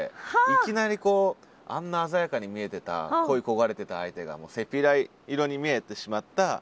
いきなりこうあんな鮮やかに見えてた恋い焦がれてた相手がもうセピア色に見えてしまった秋の朝。